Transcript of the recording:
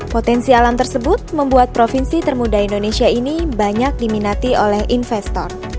potensi alam tersebut membuat provinsi termuda indonesia ini banyak diminati oleh investor